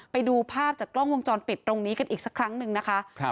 ไปดูภาพจากกล้องวงจรปิดตรงนี้กันอีกสักครั้งหนึ่งนะคะ